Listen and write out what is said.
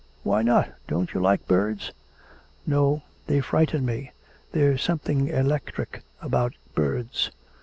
'Why not; don't you like birds?' 'No, they frighten me; there's something electric about birds.'